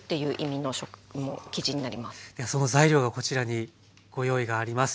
その材料がこちらにご用意があります。